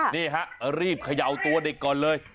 นี่ฮะรีบเขย่าตัวเด็กก่อนเลย